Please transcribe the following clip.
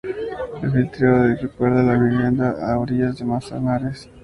El flirteo recuerda a "La merienda a orillas del Manzanares".